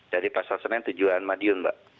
dari pasar senen tujuan madiun mbak